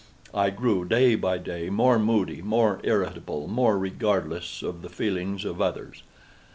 I grew, day by day, more moody, more irritable, more regardless of the feelings of others.